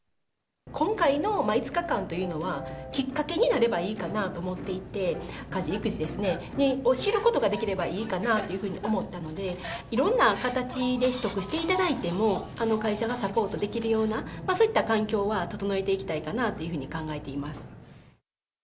今回の５日間というのは、きっかけになればいいかなと思っていて、家事、育児を知ることができればいいかなというふうに思ったので、いろんな形で取得していただいても、会社がサポートできるような、そういった環境は整えていきたいかなとは考えています。